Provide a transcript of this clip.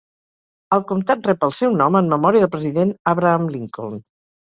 El comtat rep el seu nom en memòria del president Abraham Lincoln.